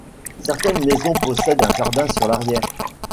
Certaines maisons possèdent un jardin sur l’arrière.